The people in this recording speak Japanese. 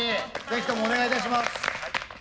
ぜひともお願いいたします。